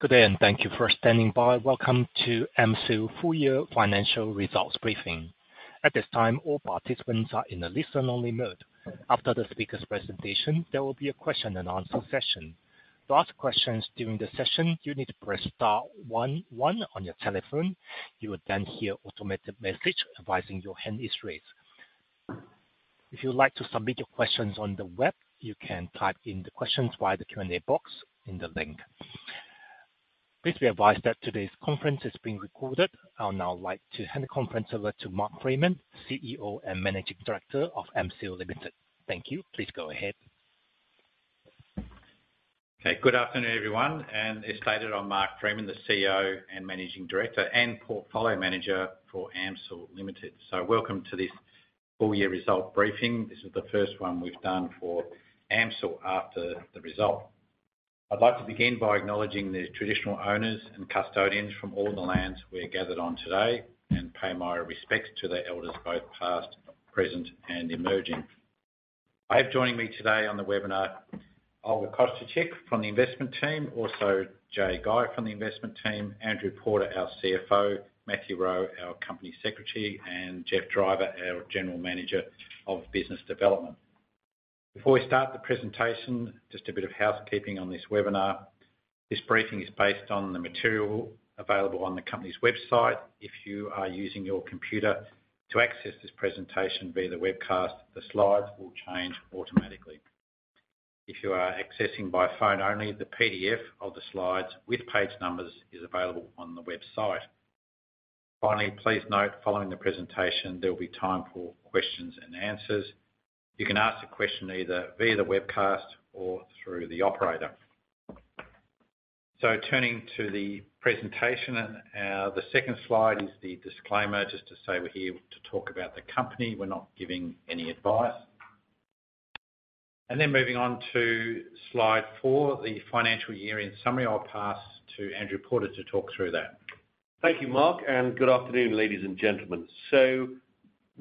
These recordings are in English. Good day, thank you for standing by. Welcome to AMCIL Full Year Financial Results Briefing. At this time, all participants are in a listen-only mode. After the speaker's presentation, there will be a question and answer session. To ask questions during the session, you need to press star one `one on your telephone. You will hear an automated message advising your hand is raised. If you'd like to submit your questions on the web, you can type in the questions via the Q&A box in the link. Please be advised that today's conference is being recorded. I would now like to hand the conference over to Mark Freeman, CEO and Managing Director of AMCIL Limited. Thank you. Please go ahead. Okay, good afternoon, everyone. As stated, I'm Mark Freeman, the CEO and Managing Director, and Portfolio Manager for AMCIL Limited. Welcome to this full year result briefing. This is the first one we've done for AMCIL after the result. I'd like to begin by acknowledging the traditional owners and custodians from all the lands we're gathered on today, and pay my respects to the elders, both past, present, and emerging. I have joining me today on the webinar, Olga Kosciuczyk from the investment team, also Jaye Guy from the investment team, Andrew Porter, our CFO, Matthew Rowe, our Company Secretary, and Geoff Driver, our General Manager of Business Development. Before we start the presentation, just a bit of housekeeping on this webinar. This briefing is based on the material available on the company's website. If you are using your computer to access this presentation via the webcast, the slides will change automatically. If you are accessing by phone only, the PDF of the slides with page numbers is available on the website. Finally, please note, following the presentation, there will be time for questions and answers. You can ask a question either via the webcast or through the operator. Turning to the presentation, the second slide is the disclaimer, just to say we're here to talk about the company. We're not giving any advice. Moving on to slide four, the financial year in summary, I'll pass to Andrew Porter to talk through that. Thank you, Mark. Good afternoon, ladies and gentlemen.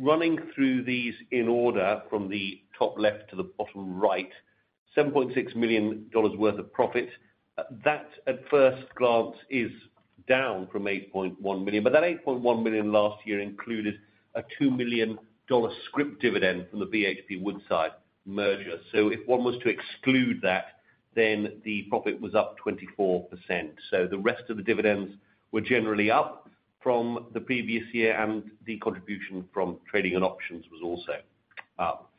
Running through these in order from the top left to the bottom right, 7.6 million dollars worth of profit. That, at first glance, is down from 8.1 million, but that 8.1 million last year included a 2 million dollar scrip dividend from the BHP-Woodside merger. If one was to exclude that, then the profit was up 24%. The rest of the dividends were generally up from the previous year, and the contribution from trading and options was also up.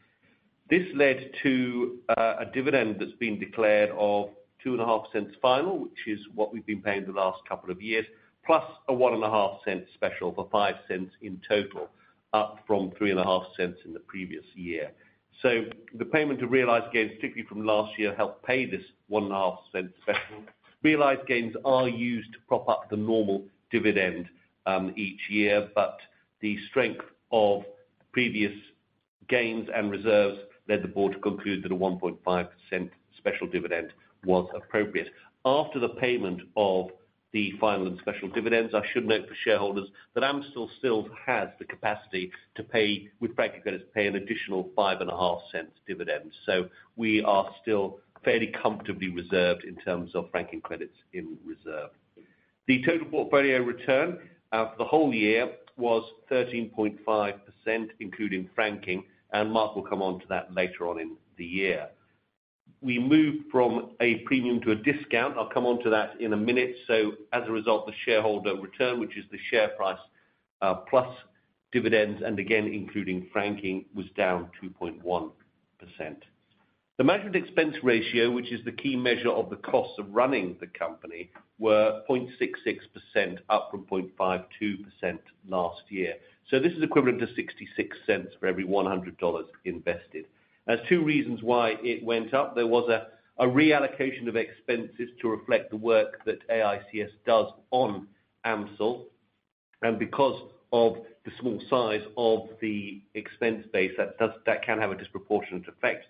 This led to a dividend that's been declared of 0.025 final, which is what we've been paying the last couple of years, plus a 0.015 special for 0.05 in total, up from 0.035 in the previous year. The payment of realized gains, particularly from last year, helped pay this 0.015 special. Realized gains are used to prop up the normal dividend each year, but the strength of previous gains and reserves led the board to conclude that an 0.015 special dividend was appropriate. After the payment of the final and special dividends, I should note for shareholders that AMCIL still has the capacity to pay with franking credits, pay an additional 0.055 dividend. We are still fairly comfortably reserved in terms of franking credits in reserve. The total portfolio return for the whole year was 13.5%, including franking, and Mark will come on to that later on in the year. We moved from a premium to a discount. I'll come on to that in a minute. As a result, the shareholder return, which is the share price, plus dividends, and again, including franking, was down 2.1%. The management expense ratio, which is the key measure of the costs of running the company, were 0.66%, up from 0.52% last year. This is equivalent to 0.66 for every 100 dollars invested. There's two reasons why it went up: There was a reallocation of expenses to reflect the work that AICS does on AMCIL, and because of the small size of the expense base, that can have a disproportionate effect.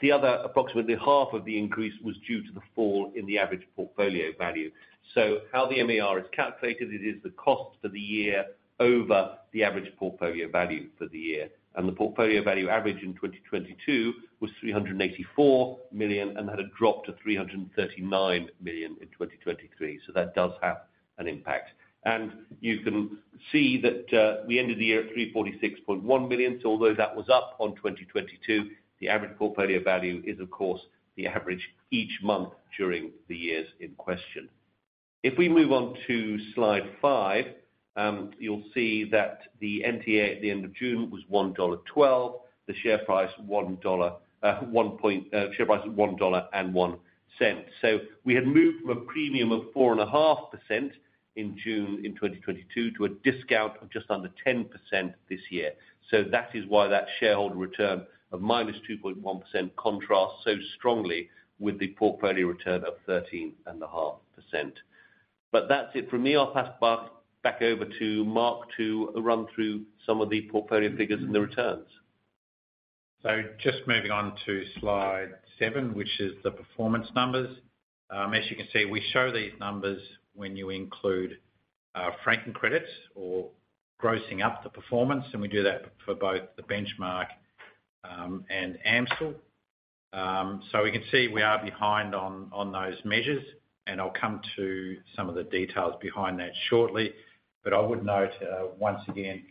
The other, approximately half of the increase, was due to the fall in the average portfolio value. How the MER is calculated, it is the cost for the year over the average portfolio value for the year. The portfolio value average in 2022 was 384 million, and had a drop to 339 million in 2023. That does have an impact. You can see that we ended the year at 346.1 million. Although that was up on 2022, the average portfolio value is of course, the average each month during the years in question. If we move on to slide five, you'll see that the NTA at the end of June was 1.12 dollar, the share price 1.01 dollar. We had moved from a premium of 4.5% in June in 2022, to a discount of just under 10% this year. That is why that shareholder return of -2.1% contrasts so strongly with the portfolio return of 13.5%. That's it from me. I'll pass back over to Mark to run through some of the portfolio figures and the returns. Just moving on to slide seven, which is the performance numbers. As you can see, we show these numbers when you include franking credits or grossing up the performance, and we do that for both the benchmark and AMCIL. We can see we are behind on those measures, and I'll come to some of the details behind that shortly. I would note once again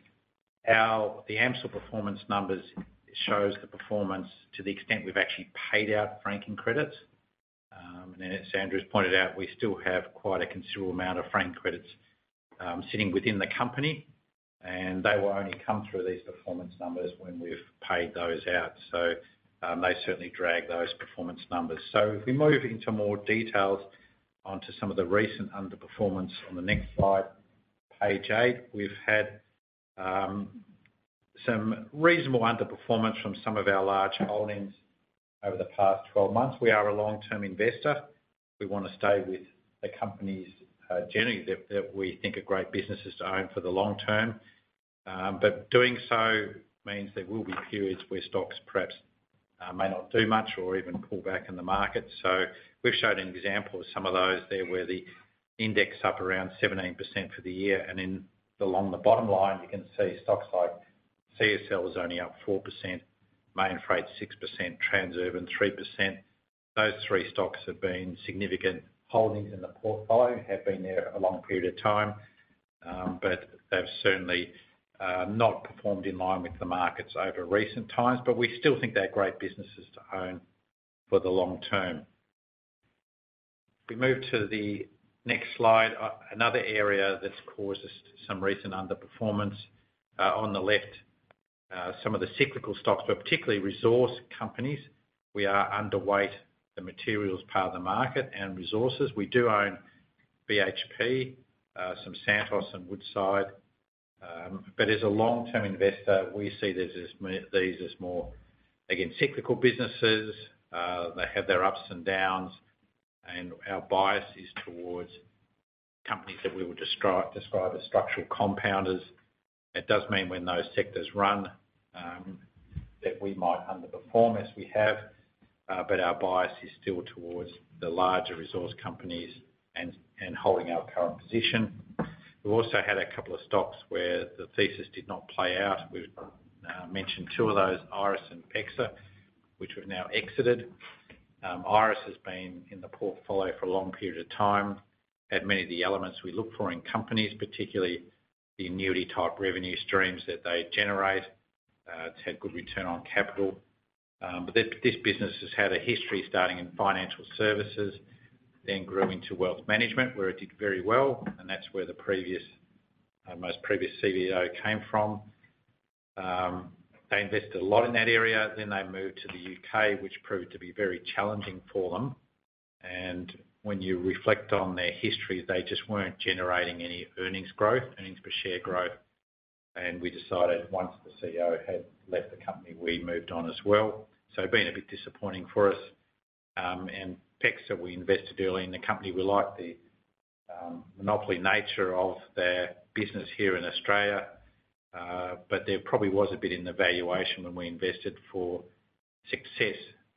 how the AMCIL performance numbers shows the performance to the extent we've actually paid out franking credits. As Andrew has pointed out, we still have quite a considerable amount of franking credits sitting within the company, and they will only come through these performance numbers when we've paid those out. They certainly drag those performance numbers. If we move into more details onto some of the recent underperformance on the next slide, page eight. We've had some reasonable underperformance from some of our large holdings over the past 12 months. We are a long-term investor. We wanna stay with the companies generally, that, that we think are great businesses to own for the long term. But doing so means there will be periods where stocks perhaps may not do much or even pull back in the market. We've shown an example of some of those there, where the index is up around 17% for the year. Along the bottom line, you can see stocks like CSL is only up 4%, Mainfreight, 6%, Transurban, 3%. Those three stocks have been significant holdings in the portfolio, have been there a long period of time, but they've certainly not performed in line with the markets over recent times. We still think they're great businesses to own for the long term. If we move to the next slide, another area that's caused us some recent underperformance. On the left, some of the cyclical stocks, but particularly resource companies, we are underweight the materials part of the market and resources. We do own BHP, some Santos and Woodside. As a long-term investor, we see these as more, again, cyclical businesses. They have their ups and downs, and our bias is towards companies that we would describe, describe as structural compounders. It does mean when those sectors run, that we might underperform as we have, but our bias is still towards the larger resource companies and, and holding our current position. We've also had a couple of stocks where the thesis did not play out. We've mentioned two of those, Iress and PEXA, which we've now exited. Iress has been in the portfolio for a long period of time, had many of the elements we look for in companies, particularly the annuity-type revenue streams that they generate. It's had good return on capital, but this, this business has had a history starting in financial services, then grew into wealth management, where it did very well, and that's where the previous, most previous CEO came from. They invested a lot in that area, then they moved to the UK, which proved to be very challenging for them. When you reflect on their history, they just weren't generating any earnings growth, earnings per share growth, and we decided once the CEO had left the company, we moved on as well. It's been a bit disappointing for us. PEXA, we invested early in the company. We liked the monopoly nature of their business here in Australia, but there probably was a bit in the valuation when we invested for success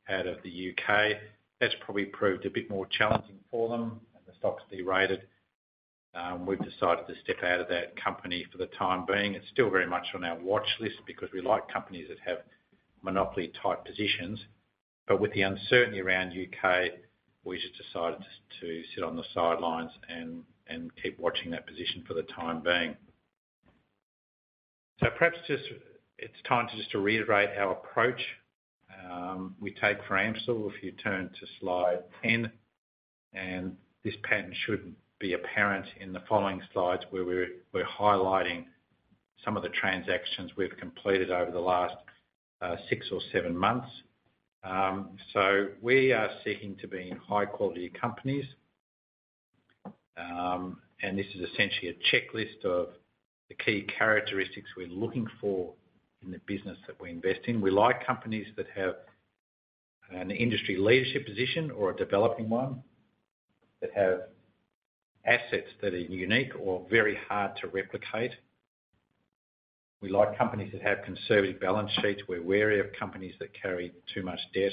out of the U.K.. That's probably proved a bit more challenging for them, and the stock's derated. We've decided to step out of that company for the time being. It's still very much on our watch list because we like companies that have monopoly-type positions, but with the uncertainty around U.K., we just decided to sit on the sidelines and keep watching that position for the time being. Perhaps just it's time just to reiterate our approach we take for AMCIL. If you turn to slide 10, and this pattern should be apparent in the following slides, where we're highlighting some of the transactions we've completed over the last six or seven months. We are seeking to be in high-quality companies, and this is essentially a checklist of the key characteristics we're looking for in the business that we invest in. We like companies that have an industry leadership position or a developing one, that have assets that are unique or very hard to replicate. We like companies that have conservative balance sheets. We're wary of companies that carry too much debt.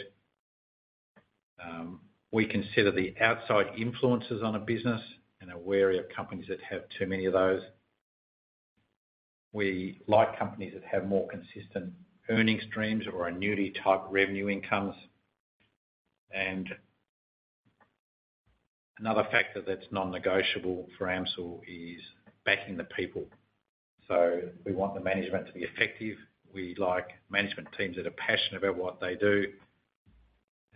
We consider the outside influences on a business and are wary of companies that have too many of those. We like companies that have more consistent earnings streams or annuity-type revenue incomes. Another factor that's non-negotiable for AMCIL is backing the people. We want the management to be effective. We like management teams that are passionate about what they do,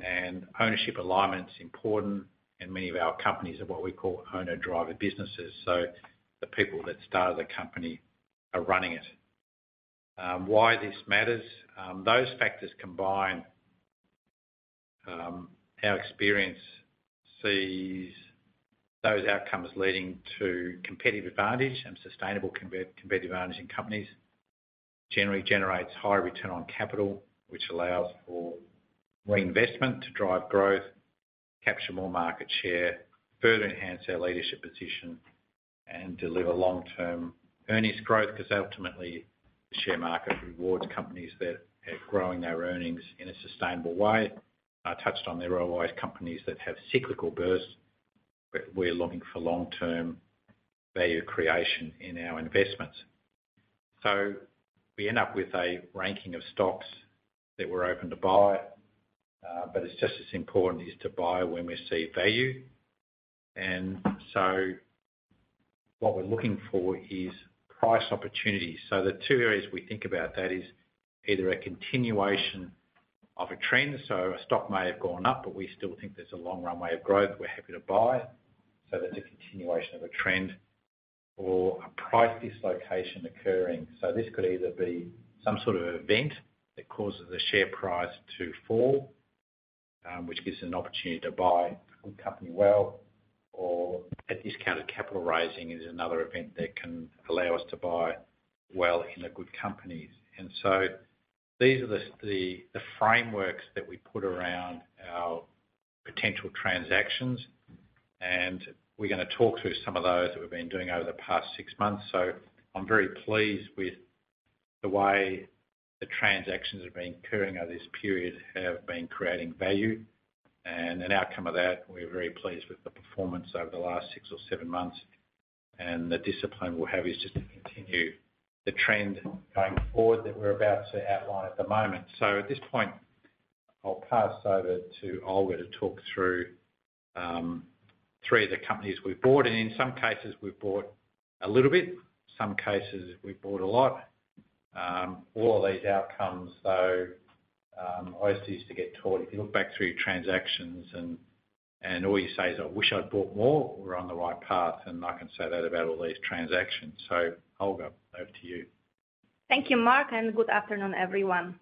and ownership alignment's important, and many of our companies are what we call owner-driver businesses, so the people that started the company are running it. Why this matters? Those factors combined, our experience sees those outcomes leading to competitive advantage and sustainable competitive advantage in companies. Generally generates higher return on capital, which allows for reinvestment to drive growth, capture more market share, further enhance their leadership position, and deliver long-term earnings growth, because ultimately, the share market rewards companies that are growing their earnings in a sustainable way. I touched on there are always companies that have cyclical bursts. We're looking for long-term value creation in our investments. We end up with a ranking of stocks that we're open to buy, but it's just as important is to buy when we see value. What we're looking for is price opportunities. The two areas we think about that is either a continuation of a trend. A stock may have gone up, but we still think there's a long runway of growth, we're happy to buy. That's a continuation of a trend or a price dislocation occurring. This could either be some sort of event that causes the share price to fall, which gives us an opportunity to buy a good company well or a discounted capital raising is another event that can allow us to buy well in a good companies. These are the, the frameworks that we put around our potential transactions, and we're gonna talk through some of those that we've been doing over the past six months. I'm very pleased with the way the transactions have been occurring over this period, have been creating value. An outcome of that, we're very pleased with the performance over the last six or seven months, and the discipline we'll have is just to continue the trend going forward that we're about to outline at the moment. At this point, I'll pass over to Olga to talk through, three of the companies we've bought, and in some cases, we've bought a little bit, some cases we've bought a lot. All of these outcomes, though, I always used to get taught, if you look back through your transactions and, and all you say is, "I wish I'd bought more," we're on the right path, and I can say that about all these transactions. Olga, over to you. Thank you, Mark. Good afternoon, everyone.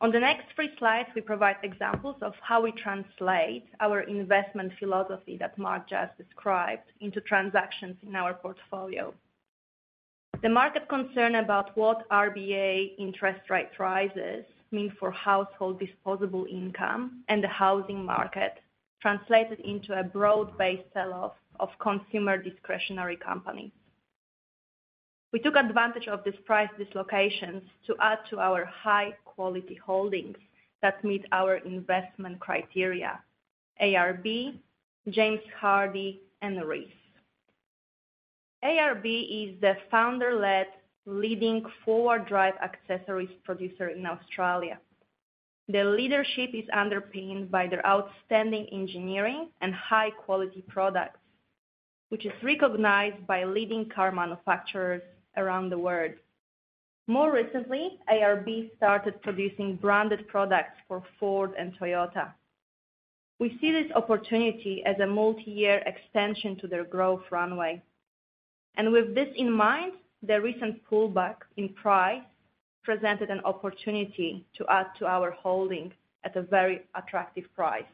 On the next three slides, we provide examples of how we translate our investment philosophy that Mark just described, into transactions in our portfolio. The market concern about what RBA interest rate rises mean for household disposable income and the housing market, translated into a broad-based sell-off of consumer discretionary companies. We took advantage of this price dislocations to add to our high quality holdings that meet our investment criteria: ARB, James Hardie, and Reece. ARB is the founder-led, leading four-wheel drive accessories producer in Australia. The leadership is underpinned by their outstanding engineering and high quality products, which is recognized by leading car manufacturers around the world. More recently, ARB started producing branded products for Ford and Toyota. We see this opportunity as a multi-year extension to their growth runway. With this in mind, the recent pullback in price presented an opportunity to add to our holdings at a very attractive price.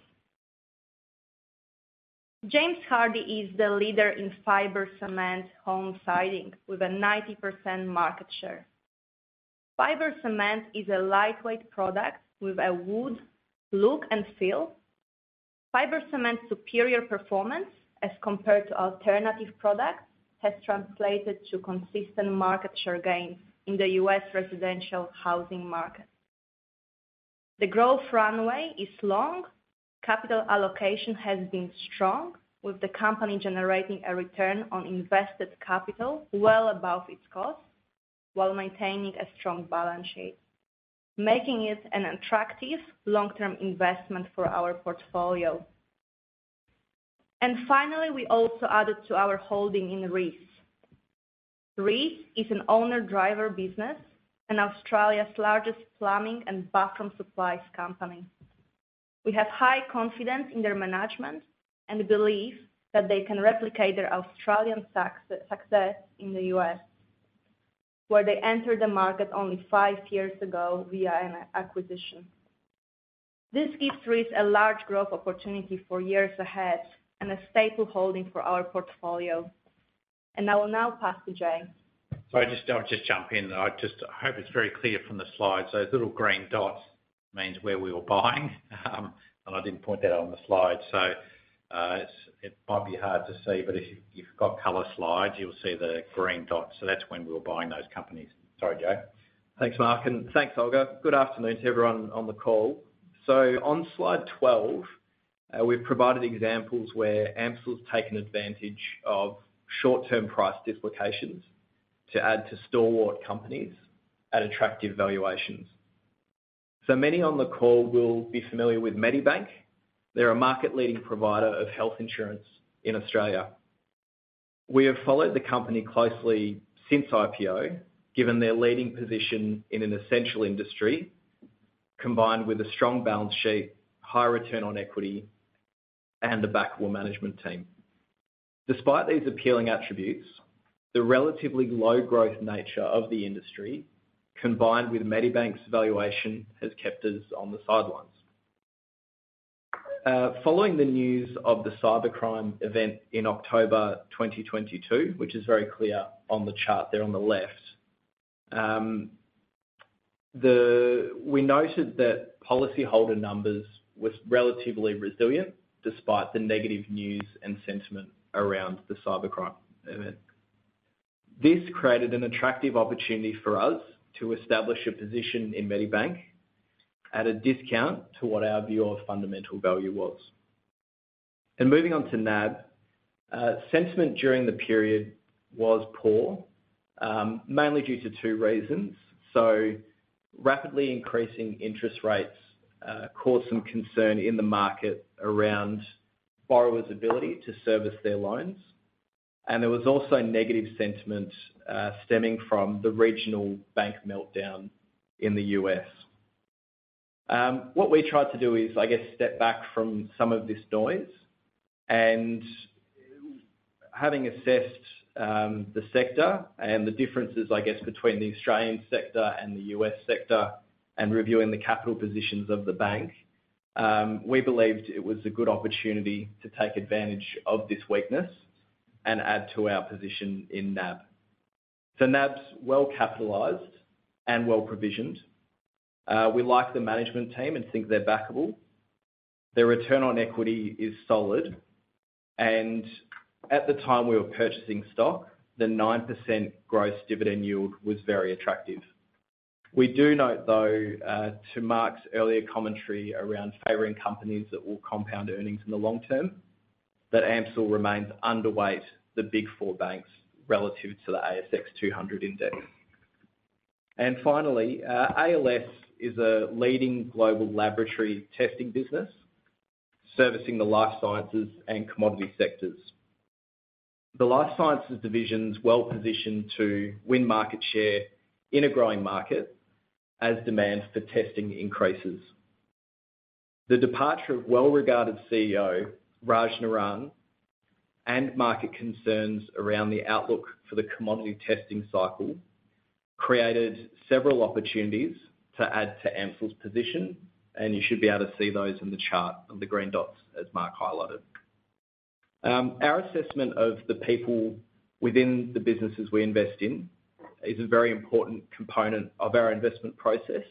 James Hardie is the leader in fiber cement home siding with a 90% market share. Fiber cement is a lightweight product with a wood look and feel. Fiber cement's superior performance, as compared to alternative products, has translated to consistent market share gains in the U.S. residential housing market. The growth runway is long. Capital allocation has been strong, with the company generating a return on invested capital well above its cost, while maintaining a strong balance sheet, making it an attractive long-term investment for our portfolio. Finally, we also added to our holding in Reece. Reece is an owner-driver business and Australia's largest plumbing and bathroom supplies company. We have high confidence in their management and believe that they can replicate their Australian success in the U.S., where they entered the market only five years ago via an acquisition. This gives Reece a large growth opportunity for years ahead and a staple holding for our portfolio. I will now pass to Jaye. Sorry, I'll just jump in. I just hope it's very clear from the slides. Those little green dots means where we were buying, and I didn't point that out on the slide. It's, it might be hard to see, but if you've got color slides, you'll see the green dots. That's when we were buying those companies. Sorry, Jaye. Thanks, Mark, and thanks, Olga. Good afternoon to everyone on the call. On slide 12, we've provided examples where AMCIL's taken advantage of short-term price dislocations to add to stalwart companies at attractive valuations. Many on the call will be familiar with Medibank. They're a market-leading provider of health insurance in Australia. We have followed the company closely since IPO, given their leading position in an essential industry, combined with a strong balance sheet, high return on equity, and a backable management team. Despite these appealing attributes, the relatively low growth nature of the industry, combined with Medibank's valuation, has kept us on the sidelines. Following the news of the cybercrime event in October 2022, which is very clear on the chart there on the left, we noted that policyholder numbers was relatively resilient despite the negative news and sentiment around the cybercrime event. This created an attractive opportunity for us to establish a position in Medibank at a discount to what our view of fundamental value was. Moving on to NAB, sentiment during the period was poor, mainly due to two reasons. Rapidly increasing interest rates caused some concern in the market around borrowers' ability to service their loans, and there was also negative sentiment stemming from the regional bank meltdown in the U.S.. What we tried to do is, I guess, step back from some of this noise, and having assessed the sector and the differences, I guess, between the Australian sector and the U.S. sector, and reviewing the capital positions of the bank, we believed it was a good opportunity to take advantage of this weakness and add to our position in NAB. NAB's well-capitalized and well-provisioned. We like the management team and think they're backable. Their return on equity is solid, and at the time we were purchasing stock, the 9% gross dividend yield was very attractive. We do note, though, to Mark's earlier commentary around favoring companies that will compound earnings in the long term, that AMCIL remains underweight the Big Four banks relative to the S&P/ASX 200. Finally, ALS is a leading global laboratory testing business servicing the life sciences and commodity sectors. The life sciences division's well-positioned to win market share in a growing market as demand for testing increases. The departure of well-regarded CEO, Raj Naran, and market concerns around the outlook for the commodity testing cycle, created several opportunities to add to AMCIL's position, and you should be able to see those in the chart of the green dots, as Mark highlighted. Our assessment of the people within the businesses we invest in is a very important component of our investment process.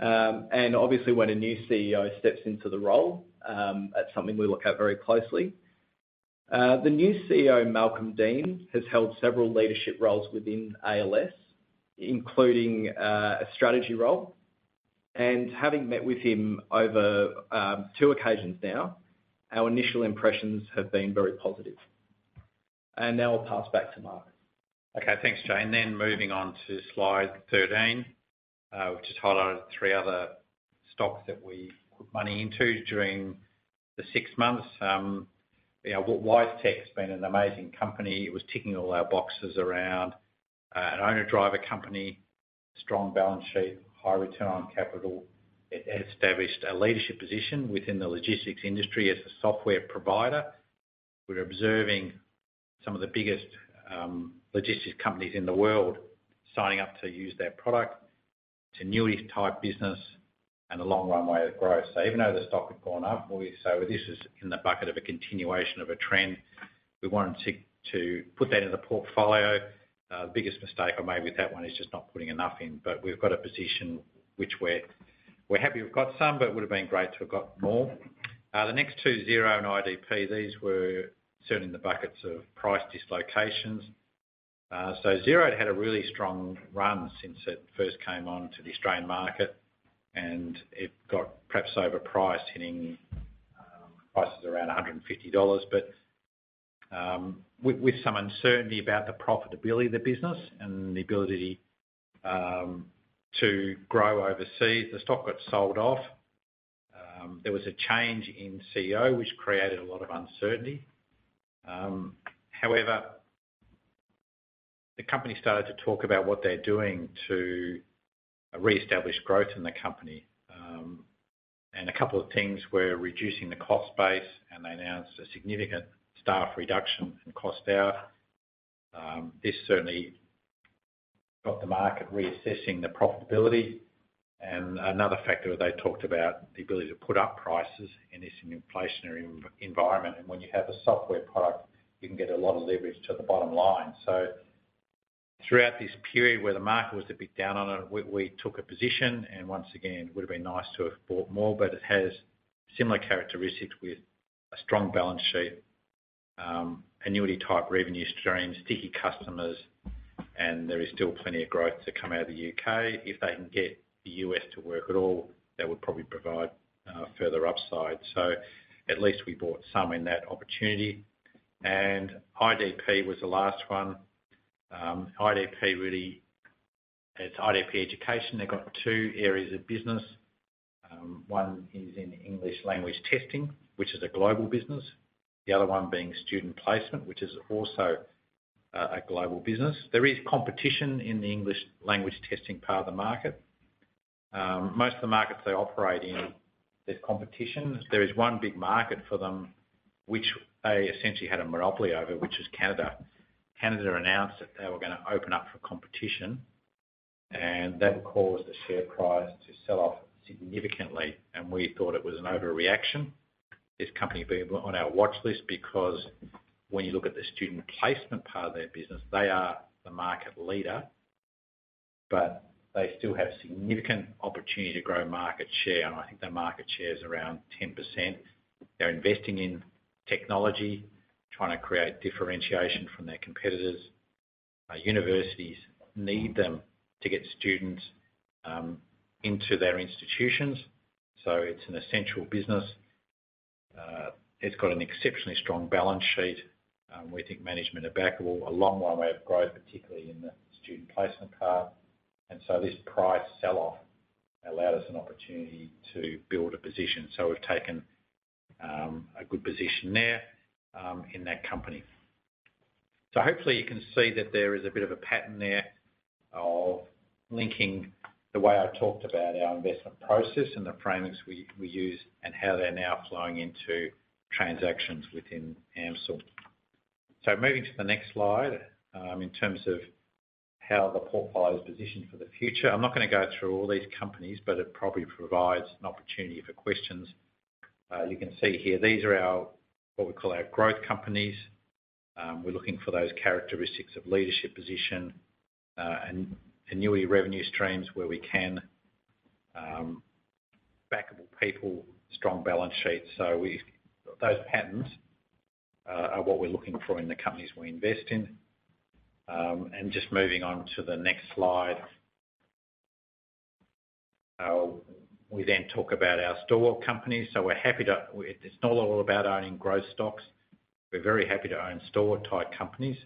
Obviously, when a new CEO steps into the role, that's something we look at very closely. The new CEO, Malcolm Deane, has held several leadership roles within ALS, including a strategy role. Having met with him over two occasions now, our initial impressions have been very positive. Now I'll pass back to Mark. Okay, thanks, Jaye. Moving on to slide 13, which just highlighted three other stocks that we put money into during the six months. Yeah, WiseTech's been an amazing company. It was ticking all our boxes around an owner-driver company, strong balance sheet, high return on capital. It had established a leadership position within the logistics industry as a software provider. We're observing some of the biggest logistics companies in the world signing up to use their product, annuity-type business, and a long runway of growth. Even though the stock had gone up, we say, "Well, this is in the bucket of a continuation of a trend." We wanted to put that in the portfolio. The biggest mistake I made with that one is just not putting enough in, but we've got a position which we're, we're happy we've got some, but it would have been great to have got more. The next two, Xero and IDP, these were sitting in the buckets of price dislocations. Xero had a really strong run since it first came on to the Australian market, and it got perhaps overpriced, hitting prices around 150 dollars. With some uncertainty about the profitability of the business and the ability to grow overseas, the stock got sold off. There was a change in CEO, which created a lot of uncertainty. The company started to talk about what they're doing to reestablish growth in the company. A couple of things were reducing the cost base, and they announced a significant staff reduction in cost there. This certainly got the market reassessing the profitability. Another factor, they talked about the ability to put up prices in this inflationary environment. When you have a software product, you can get a lot of leverage to the bottom line. Throughout this period, where the market was a bit down on it, we, we took a position, and once again, it would have been nice to have bought more, but it has similar characteristics with a strong balance sheet, annuity-type revenue streams, sticky customers, and there is still plenty of growth to come out of the U.K. If they can get the U.S. to work at all, that would probably provide further upside. At least we bought some in that opportunity. IDP was the last one. IDP, really, it's IDP Education. They've got two areas of business. One is in English language testing, which is a global business, the other one being student placement, which is also a global business. There is competition in the English language testing part of the market. Most of the markets they operate in, there's competition. There is one big market for them, which they essentially had a monopoly over, which is Canada. Canada announced that they were gonna open up for competition, and that caused the share price to sell off significantly, and we thought it was an overreaction. This company had been on our watchlist because when you look at the student placement part of their business, they are the market leader-... They still have significant opportunity to grow market share, and I think their market share is around 10%. They're investing in technology, trying to create differentiation from their competitors. Universities need them to get students into their institutions, so it's an essential business. It's got an exceptionally strong balance sheet. We think management are backable, a long runway of growth, particularly in the student placement part. This price sell-off allowed us an opportunity to build a position. We've taken a good position there in that company. Hopefully, you can see that there is a bit of a pattern there of linking the way I talked about our investment process and the frameworks we, we use, and how they're now flowing into transactions within AMCIL. Moving to the next slide, in terms of how the portfolio is positioned for the future, I'm not going to go through all these companies, but it probably provides an opportunity for questions. You can see here, these are what we call our growth companies. We're looking for those characteristics of leadership position, and annuity revenue streams, where we can, backable people, strong balance sheets. Those patterns are what we're looking for in the companies we invest in. Just moving on to the next slide. We talk about our stalwart companies. We're happy to, it's not all about owning growth stocks. We're very happy to own store-type companies,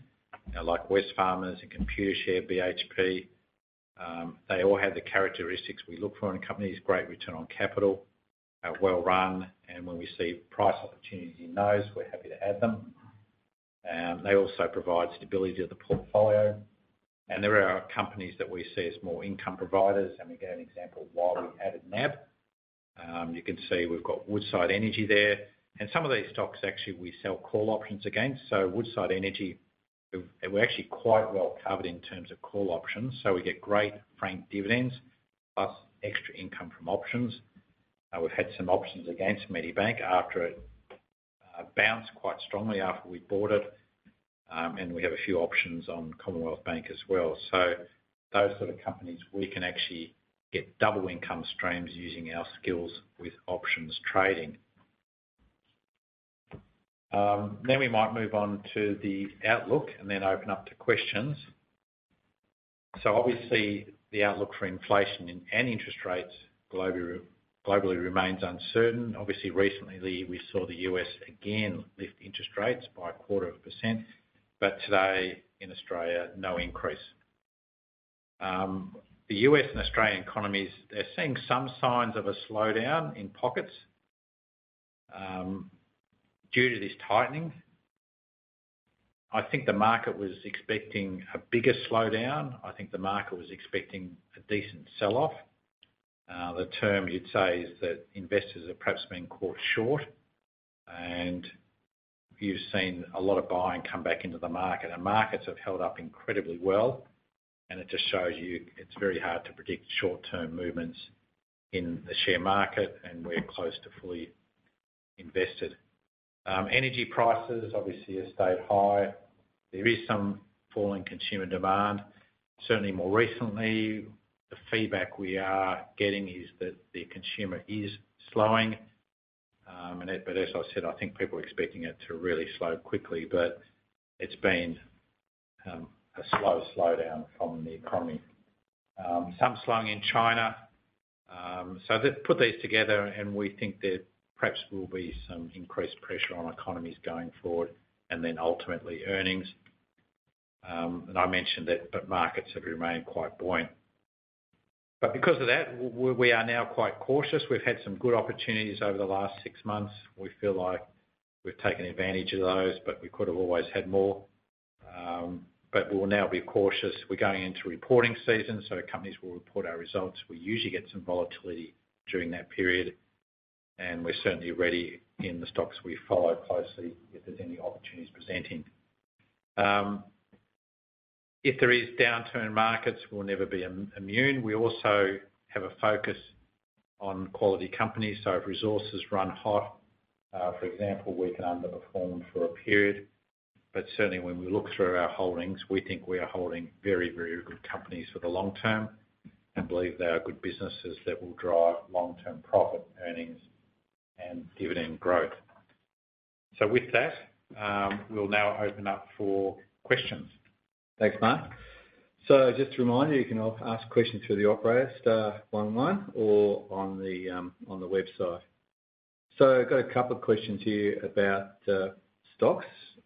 like Wesfarmers and Computershare, BHP. They all have the characteristics we look for in companies: great return on capital, well-run, and when we see price opportunities in those, we're happy to add them. They also provide stability to the portfolio. There are companies that we see as more income providers, and we gave an example of why we added NAB. You can see we've got Woodside Energy there. Some of these stocks, actually, we sell call options against. Woodside Energy, we're actually quite well covered in terms of call options, so we get great franked dividends, plus extra income from options. We've had some options against Medibank after it bounced quite strongly after we bought it. We have a few options on Commonwealth Bank as well. Those sort of companies, we can actually get double income streams using our skills with options trading. Then we might move on to the outlook and then open up to questions. Obviously, the outlook for inflation and, and interest rates globally, globally remains uncertain. Obviously, recently, we saw the U.S. again lift interest rates by 0.25%, but today, in Australia, no increase. The U.S. and Australian economies, they're seeing some signs of a slowdown in pockets due to this tightening. I think the market was expecting a bigger slowdown. I think the market was expecting a decent sell-off. The term you'd say is that investors are perhaps being caught short, and you've seen a lot of buying come back into the market. Markets have held up incredibly well, and it just shows you, it's very hard to predict short-term movements in the share market, and we're close to fully invested. Energy prices, obviously, have stayed high. There is some fall in consumer demand. Certainly more recently, the feedback we are getting is that the consumer is slowing, but as I said, I think people are expecting it to really slow quickly. It's been a slow slowdown from the economy. Some slowing in China. Put these together, and we think there perhaps will be some increased pressure on economies going forward, and then ultimately, earnings. I mentioned that, but markets have remained quite buoyant. Because of that, we are now quite cautious. We've had some good opportunities over the last six months. We feel like we've taken advantage of those, but we could have always had more. We'll now be cautious. We're going into reporting season, so companies will report our results. We usually get some volatility during that period, and we're certainly ready in the stocks we follow closely if there's any opportunities presenting. If there is downturn in markets, we'll never be immune. We also have a focus on quality companies, so if resources run hot, for example, we can underperform for a period. Certainly, when we look through our holdings, we think we are holding very, very good companies for the long term and believe they are good businesses that will drive long-term profit, earnings, and dividend growth. With that, we'll now open up for questions. Thanks, Mark. Just to remind you, you can ask questions through the operator, star 11, or on the website. I've got a couple of questions here about stocks.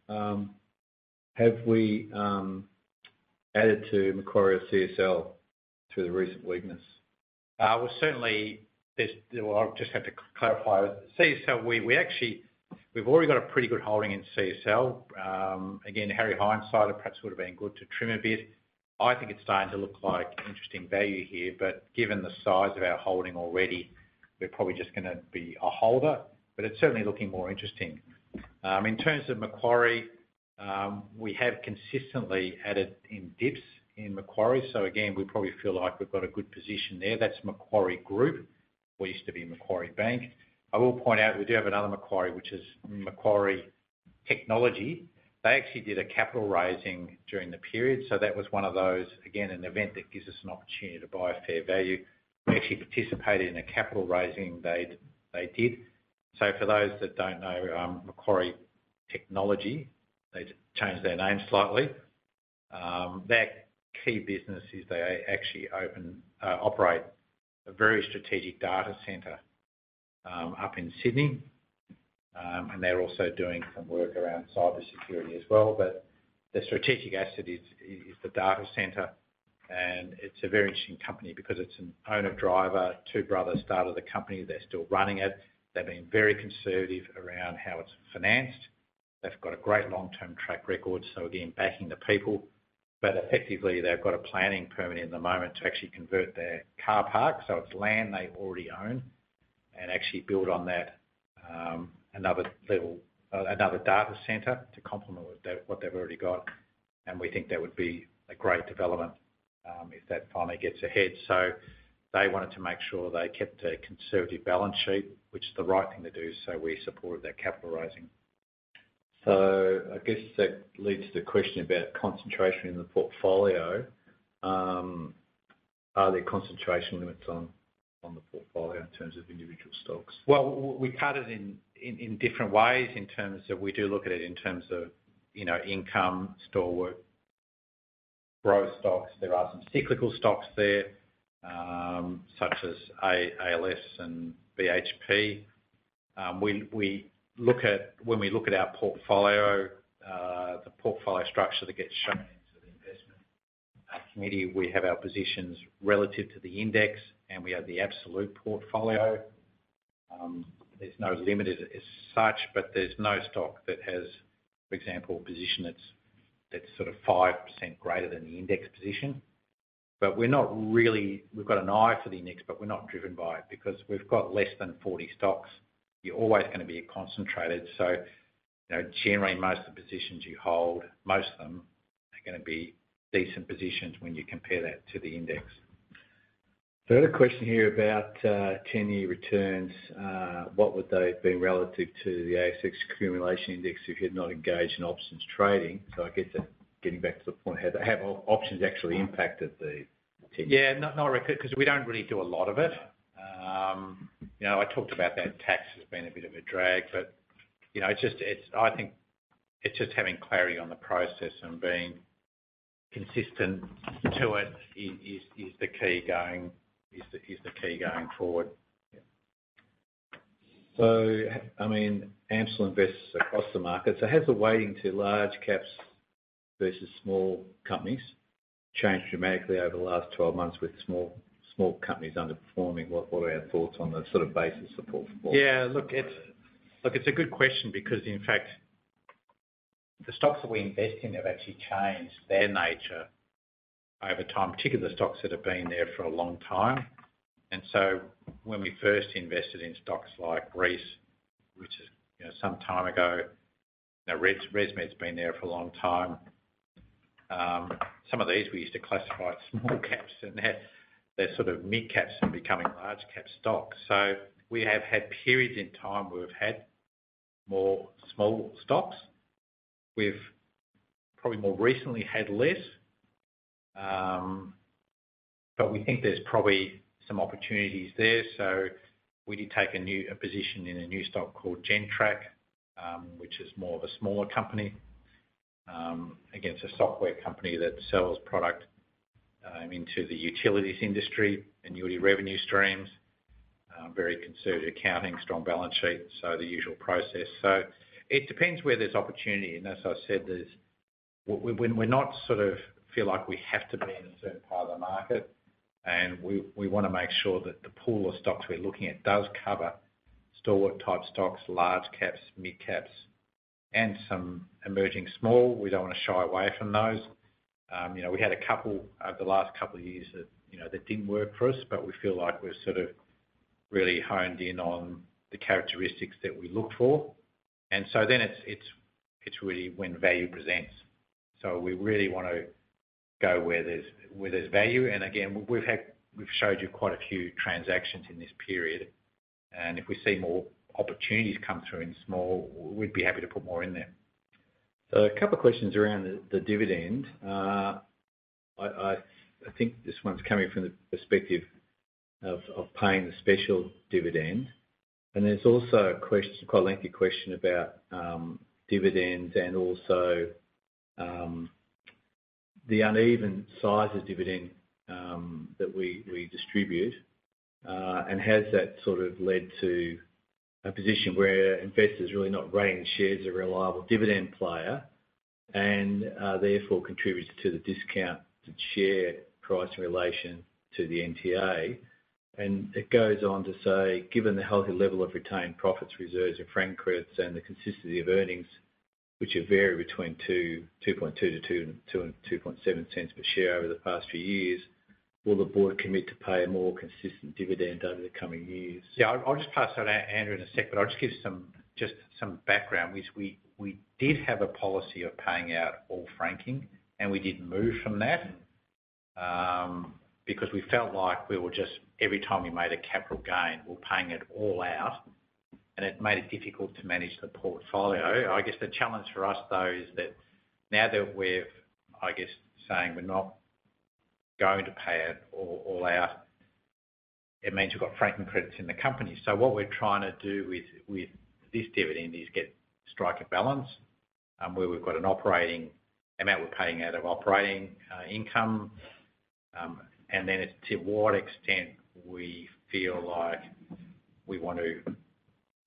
Have we added to Macquarie and CSL through the recent weakness? Well, certainly, there's. Well, I'll just have to clarify. CSL, we, we actually, we've already got a pretty good holding in CSL. Again, Harry Hindsight, it perhaps would have been good to trim a bit. I think it's starting to look like interesting value here. Given the size of our holding already, we're probably just gonna be a holder. It's certainly looking more interesting. In terms of Macquarie, we have consistently added in dips in Macquarie, so again, we probably feel like we've got a good position there. That's Macquarie Group, what used to be Macquarie Bank. I will point out, we do have another Macquarie, which is Macquarie Technology. They actually did a capital raising during the period. That was one of those, again, an event that gives us an opportunity to buy a fair value. We actually participated in a capital raising they, they did. For those that don't know, Macquarie Technology, they've changed their name slightly. Their key business is they actually open, operate a very strategic data center, up in Sydney. They're also doing some work around cybersecurity as well. The strategic asset is, is the data center, and it's a very interesting company because it's an owner-driver. Two brothers started the company, they're still running it. They've been very conservative around how it's financed. They've got a great long-term track record, so again, backing the people. Effectively, they've got a planning permit in the moment to actually convert their car park, so it's land they already own, and actually build on that, another data center to complement what they, what they've already got. We think that would be a great development, if that finally gets ahead. They wanted to make sure they kept a conservative balance sheet, which is the right thing to do, so we supported their capital raising. I guess that leads to the question about concentration in the portfolio. Are there concentration limits on, on the portfolio in terms of individual stocks? Well, we've had it in different ways in terms of. We do look at it in terms of, you know, income, stalwart, growth stocks. There are some cyclical stocks there, such as ALS and BHP. We look at. When we look at our portfolio, the portfolio structure that gets shown into the investment, committee, we have our positions relative to the index, and we have the absolute portfolio. There's no limit as, as such, but there's no stock that has, for example, a position that's, that's sort of 5% greater than the index position. We're not really. We've got an eye for the index, but we're not driven by it. Because we've got less than 40 stocks, you're always going to be concentrated. You know, generally, most of the positions you hold, most of them are going to be decent positions when you compare that to the index. I had a question here about 10-year returns. What would they have been relative to the ASX Accumulation Index if you had not engaged in options trading? I guess that getting back to the point, have options actually impacted the team? Yeah, not, not really, 'cause we don't really do a lot of it. You know, I talked about that tax as being a bit of a drag, but, you know, it's just, I think it's just having clarity on the process and being consistent to it is, is, is the key going, is the, is the key going forward. I mean, ANCIL invests across the market. Has the weighting to large caps versus small companies changed dramatically over the last 12 months with small companies underperforming? What are our thoughts on the sort of basis support for? Yeah, look, it's... Look, it's a good question because, in fact, the stocks that we invest in have actually changed their nature over time, particularly the stocks that have been there for a long time. When we first invested in stocks like Reece, which is, you know, some time ago, now ResMed's been there for a long time. Some of these we used to classify as small caps, and now they're sort of mid caps and becoming large cap stocks. We have had periods in time where we've had more small stocks. We've probably more recently had less, but we think there's probably some opportunities there. We did take a new, a position in a new stock called Gentrack, which is more of a smaller company. Again, it's a software company that sells product into the utilities industry, annuity revenue streams, very conservative accounting, strong balance sheet, so the usual process. It depends where there's opportunity, and as I said, when we're not sort of feel like we have to be in a certain part of the market. We wanna make sure that the pool of stocks we're looking at does cover stalwart-type stocks, large caps, mid caps, and some emerging small. We don't want to shy away from those. You know, we had a couple over the last couple of years that, you know, that didn't work for us, but we feel like we've sort of really honed in on the characteristics that we look for. It's, it's, it's really when value presents. We really want to go where there's, where there's value. Again, we've showed you quite a few transactions in this period, and if we see more opportunities come through in small, we'd be happy to put more in there. A couple of questions around the dividend. I think this one's coming from the perspective of paying the special dividend. There's also quite a lengthy question about dividends and also the uneven size of dividend that we distribute, and has that sort of led to a position where investors are really not rating shares a reliable dividend player and, therefore, contributes to the discount to share price in relation to the NTA? It goes on to say, "Given the healthy level of retained profits, reserves, and franking credits, and the consistency of earnings, which have varied between 0.022-0.027 per share over the past few years, will the board commit to pay a more consistent dividend over the coming years? Yeah, I'll just pass on to Andrew in a sec, but I'll just give some background. We did have a policy of paying out all franking, and we did move from that because we felt like we were just, every time we made a capital gain, we're paying it all out, and it made it difficult to manage the portfolio. I guess the challenge for us, though, is that now that we've, I guess, saying we're not going to pay it all out, it means you've got franking credits in the company. What we're trying to do with this dividend is strike a balance, where we've got an operating amount we're paying out of operating income. It's to what extent we feel like we want to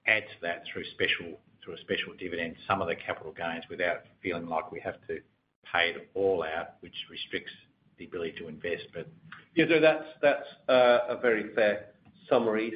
add to that through special, through a special dividend, some of the capital gains, without feeling like we have to pay it all out, which restricts the ability to invest but- Yeah, that's, that's a very fair summary.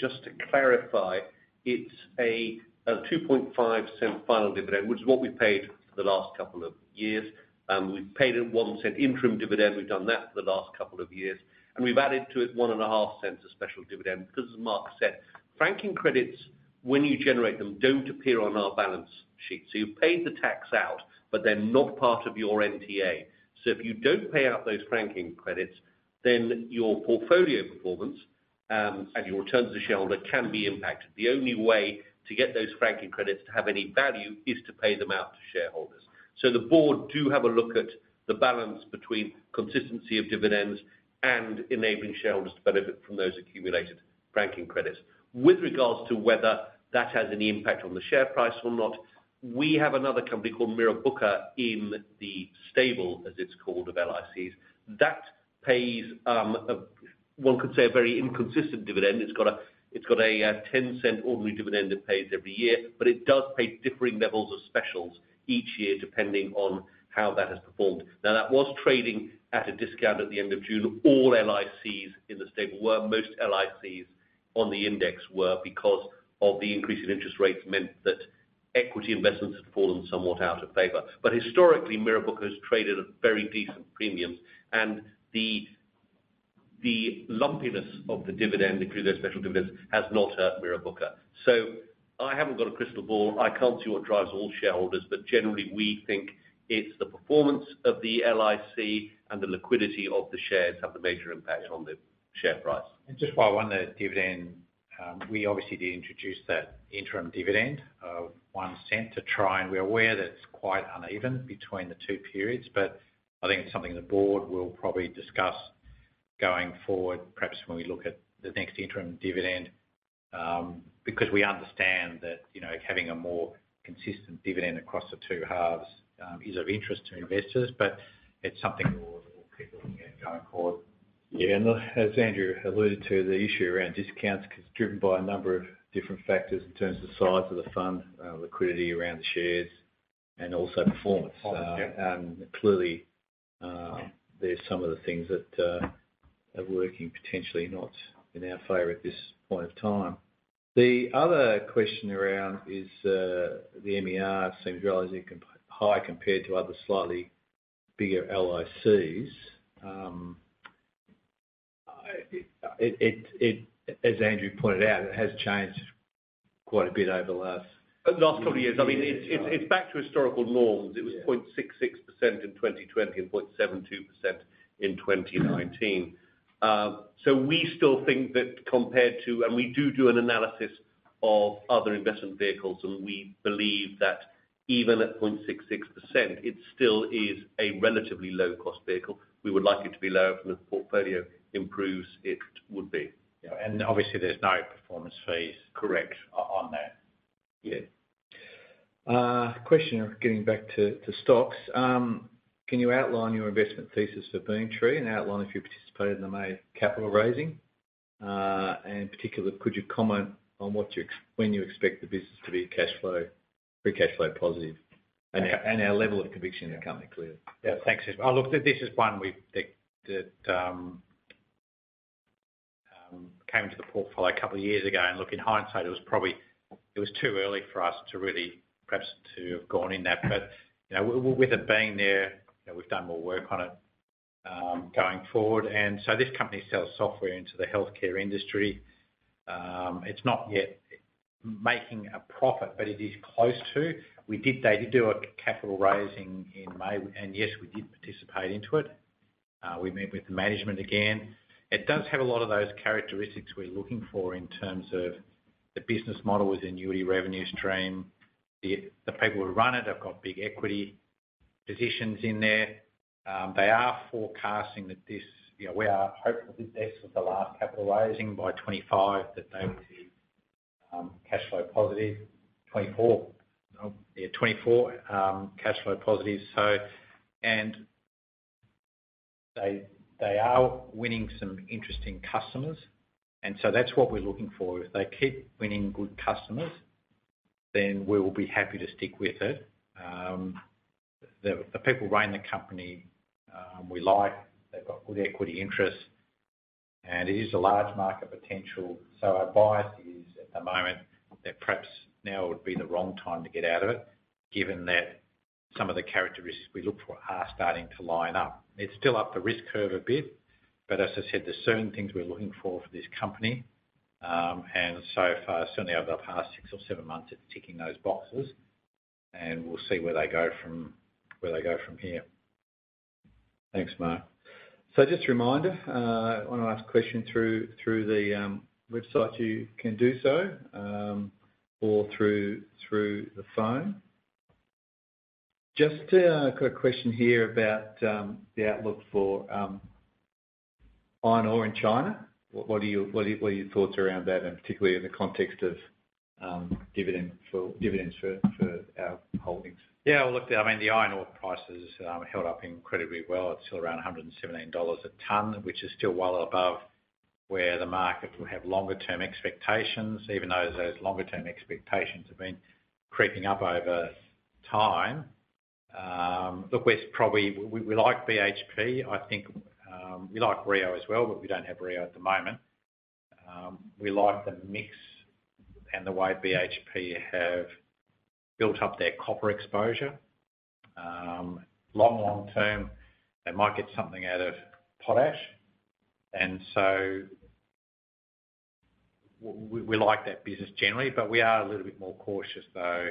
Just to clarify, it's a 2.5 final dividend, which is what we've paid for the last couple of years. We've paid a 0.01 interim dividend. We've done that for the last couple of years, and we've added to it 0.015, a special dividend, because as Mark said, franking credits, when you generate them, don't appear on our balance sheet. You've paid the tax out, but they're not part of your NTA. If you don't pay out those franking credits, then your portfolio performance, and your returns as a shareholder can be impacted. The only way to get those franking credits to have any value is to pay them out to shareholders. The board do have a look at the balance between consistency of dividends and enabling shareholders to benefit from those accumulated franking credits. With regards to whether that has any impact on the share price or not, we have another company called Mirrabooka in the stable, as it's called, of LICs. That pays, one could say, a very inconsistent dividend. It's got a 0.10 ordinary dividend it pays every year, but it does pay differing levels of specials each year, depending on how that has performed. That was trading at a discount at the end of June. All LICs in the stable were, most LICs on the index were, because of the increase in interest rates, meant that equity investments had fallen somewhat out of favor. Historically, Mirrabooka has traded at very decent premiums, and the, the lumpiness of the dividend through those special dividends has not hurt Mirrabooka. I haven't got a crystal ball. I can't see what drives all shareholders, but generally, we think it's the performance of the LIC and the liquidity of the shares have the major impact on the share price. Just while we're on the dividend, we obviously did introduce that interim dividend of 0.01 to try, and we're aware that it's quite uneven between the two periods, but I think it's something the board will probably discuss going forward, perhaps when we look at the next interim dividend. Because we understand that, you know, having a more consistent dividend across the two halves, is of interest to investors, but it's something we'll, we'll keep looking at going forward. Yeah, as Andrew alluded to, the issue around discounts is driven by a number of different factors in terms of the size of the fund, liquidity around the shares, and also performance. Yeah. Clearly, there's some of the things that are working, potentially not in our favor at this point of time. The other question around is, the MER seems relatively high compared to other slightly bigger LICs. It, it, it, as Andrew pointed out, it has changed quite a bit over the last... The last couple of years. Yeah, yeah. I mean, it's, it's back to historical norms. Yeah. It was 0.66% in 2020, and 0.72% in 2019. We still think that compared to... We do do an analysis of other investment vehicles, and we believe that even at 0.66%, it still is a relatively low-cost vehicle. We would like it to be lower, and if the portfolio improves, it would be. Yeah, obviously, there's no performance fees. Correct... on that. Yeah. Question, getting back to, to stocks. Can you outline your investment thesis for Beamtree and outline if you participated in the May capital raising? In particular, could you comment on when you expect the business to be cash flow, free cash flow positive? Our level of conviction in the company clearly. Yeah. Yeah, thanks. Look, this is one we've, that, that, came to the portfolio a couple of years ago, look, in hindsight, it was probably, it was too early for us to really, perhaps, to have gone in that. You know, with it being there, you know, we've done more work on it, going forward. This company sells software into the healthcare industry. It's not yet making a profit, it is close to. They did do a capital raising in May, yes, we did participate into it. We met with the management again. It does have a lot of those characteristics we're looking for in terms of the business model with the annuity revenue stream. The people who run it have got big equity positions in there. They are forecasting that this, you know, we are hopeful that this is the last capital raising, by2 025, that they will be cash flow positive. 2024. Oh, yeah, 2024, cash flow positive. They, they are winning some interesting customers, and so that's what we're looking for. If they keep winning good customers, then we will be happy to stick with it. The, the people running the company, we like, they've got good equity interest, and it is a large market potential. Our bias is, at the moment, that perhaps now would be the wrong time to get out of it, given that some of the characteristics we look for are starting to line up. It's still up the risk curve a bit. As I said, there's certain things we're looking for for this company, so far, certainly over the past six or seven months, it's ticking those boxes. We'll see where they go from, where they go from here. Thanks, Mark. Just a reminder, want to ask a question through, through the website, you can do so, or through, through the phone. Just got a question here about the outlook for iron ore in China. What, what are your, what are your thoughts around that, and particularly in the context of dividend for, dividends for, for our holdings? Yeah, well, look, I mean, the iron ore prices held up incredibly well. It's still around 117 dollars a ton, which is still well above where the market will have longer term expectations, even though those longer term expectations have been creeping up over time. Look, we, we like BHP. I think, we like Rio as well, but we don't have Rio at the moment. We like the mix and the way BHP have built up their copper exposure. Long, long term, they might get something out of potash, and so we like that business generally. We are a little bit more cautious, though,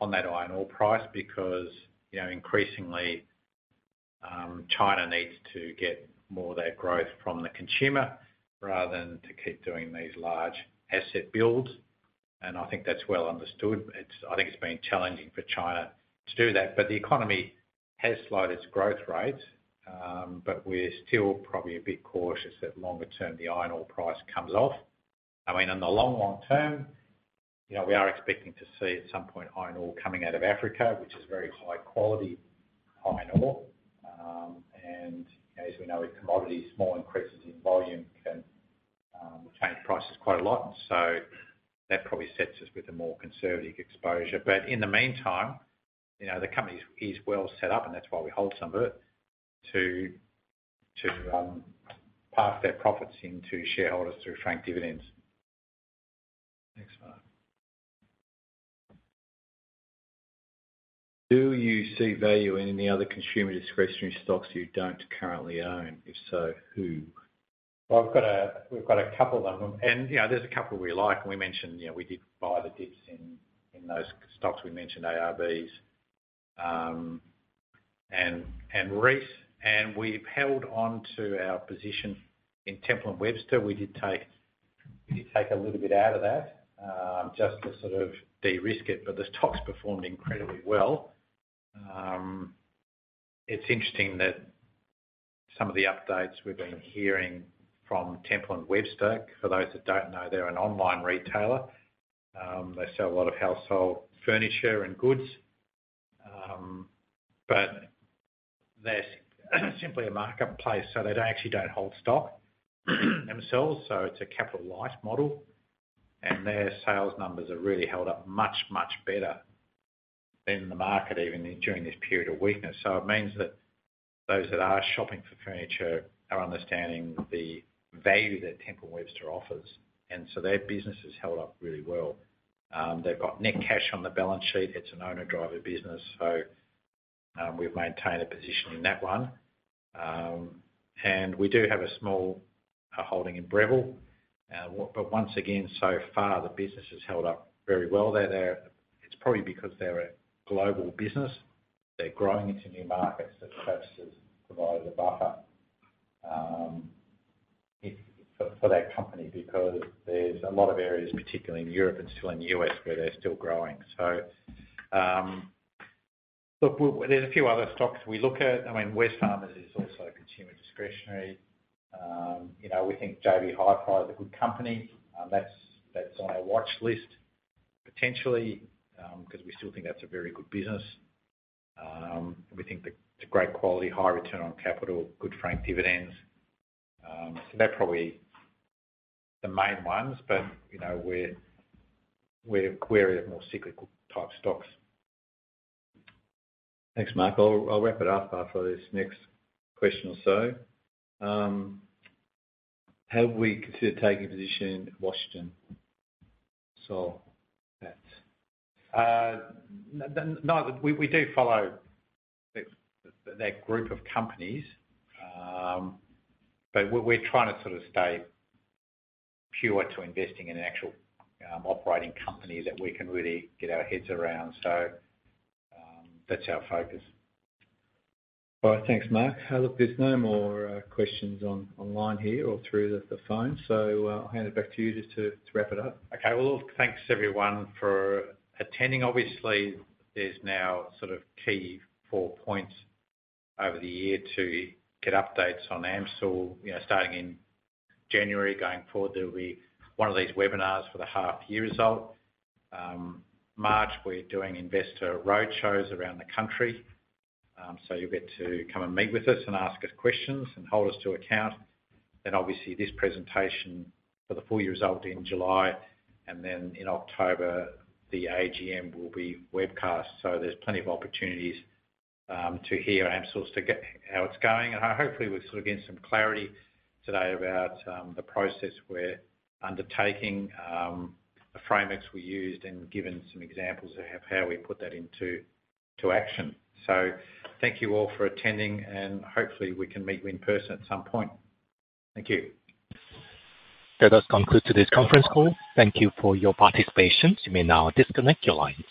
on that iron ore price because, you know, increasingly, China needs to get more of that growth from the consumer rather than to keep doing these large asset builds, and I think that's well understood. I think it's been challenging for China to do that, but the economy has slowed its growth rate. We're still probably a bit cautious that longer term, the iron ore price comes off. I mean, in the long, long term, you know, we are expecting to see at some point, iron ore coming out of Africa, which is very high quality iron ore. As we know, with commodities, small increases in volume can change prices quite a lot, so that probably sets us with a more conservative exposure. In the meantime, you know, the company is, is well set up, and that's why we hold some of it to, to pass their profits into shareholders through frank dividends. Thanks, Mark. Do you see value in any other consumer discretionary stocks you don't currently own? If so, who? Well, I've got a couple of them, you know, there's a couple we like. We mentioned, you know, we did buy the dips in those stocks. We mentioned ARBs, and Reece, and we've held on to our position in Temple & Webster. We did take, we did take a little bit out of that, just to sort of de-risk it, but the stock's performed incredibly well. It's interesting that some of the updates we've been hearing from Temple & Webster, for those that don't know, they're an online retailer. They sell a lot of household furniture and goods, but they're simply a marketplace, so they don't actually don't hold stock themselves. It's a capital light model, and their sales numbers have really held up much, much better than the market, even during this period of weakness. It means that those that are shopping for furniture are understanding the value that Temple & Webster offers, and so their business has held up really well. They've got net cash on the balance sheet. It's an owner-driver business, so we've maintained a position in that one. And we do have a small holding in Breville, but once again, so far, the business has held up very well. It's probably because they're a global business. They're growing into new markets, so that's just provided a buffer, if for that company, because there's a lot of areas, particularly in Europe and still in the U.S., where they're still growing. Look, there's a few other stocks we look at. I mean, Wesfarmers is also a consumer discretionary. You know, we think JB Hi-Fi is a good company. That's, that's on our watch list, potentially, 'cause we still think that's a very good business. We think it's a great quality, high return on capital, good frank dividends. They're probably the main ones, but, you know, we're, we're wary of more cyclical type stocks. Thanks, Mark. I'll, I'll wrap it up after this next question or so. Have we considered taking a position in Washington? that's- No, we, we do follow the, that group of companies. But we're trying to sort of stay pure to investing in an actual operating company that we can really get our heads around. That's our focus. All right. Thanks, Mark. Look, there's no more questions online here or through the phone. I'll hand it back to you just to wrap it up. Okay. Well, thanks, everyone, for attending. Obviously, there's now sort of key four points over the year to get updates on AMCIL. You know, starting in January, going forward, there will be one of these webinars for the half year result. March, we're doing investor roadshows around the country, so you'll get to come and meet with us and ask us questions and hold us to account. Obviously, this presentation for the full year result in July, and then in October, the AGM will be webcast. There's plenty of opportunities to hear AMCIL, to get, how it's going. Hopefully, we've sort of given some clarity today about the process we're undertaking, the frameworks we used, and given some examples of how we put that into, to action. Thank you all for attending, and hopefully, we can meet you in person at some point. Thank you. That does conclude today's conference call. Thank you for your participation. You may now disconnect your lines.